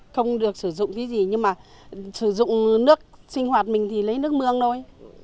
không được sử dụng cái gì nhưng mà sử dụng nước sinh hoạt mình thì lấy nước mương thôi